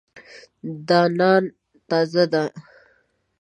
دا نان تازه دی.